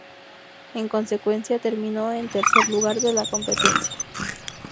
En consecuencia, terminó en tercer lugar en la competencia.